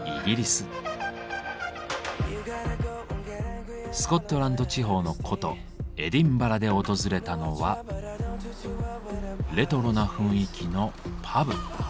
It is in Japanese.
スコットランド地方の古都エディンバラで訪れたのはレトロな雰囲気のパブ。